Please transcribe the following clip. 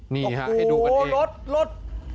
นี่ฮะให้ดูกันเองโอ้โหลด